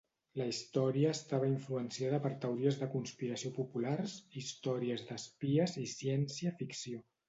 La història estava influenciada per teories de conspiració populars, històries d'espies i ciència ficció.